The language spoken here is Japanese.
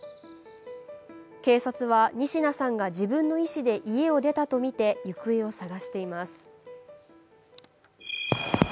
警察は仁科さんが自分の意思で家を出たとみて行方を捜しています。